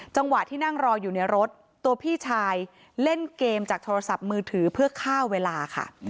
จังหวะที่นั่งรออยู่ในรถตัวพี่ชายเล่นเกมจากโทรศัพท์มือถือเพื่อฆ่าเวลาค่ะ